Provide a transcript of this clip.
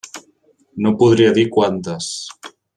No podria dir quantes.